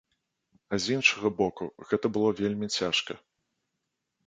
А з іншага боку, гэта было вельмі цяжка.